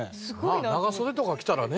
長袖とか着たらね。